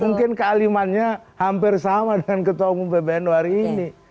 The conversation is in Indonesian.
mungkin kealimannya hampir sama dengan ketua umum pbnu hari ini